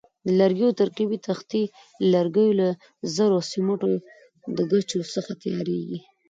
د لرګیو ترکیبي تختې د لرګیو له ذرو او سیمټو یا ګچو څخه تیاریږي.